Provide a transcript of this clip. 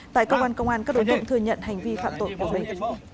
tại công an công an các đối tượng thừa nhận hành vi phạm tội của bệnh